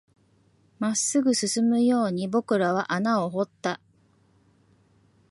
真っ直ぐに進むように僕らは穴を掘った